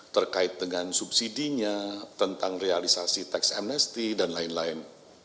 terkait dengan subsidinya tentang realisasi tax amnesty dan lain lain